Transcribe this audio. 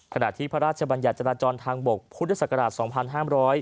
ขณะที่พระราชบัญญัติจราจรทางบกพุทธศักราช๒๕๐